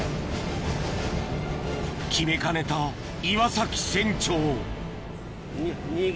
決めかねた岩崎船長２尾。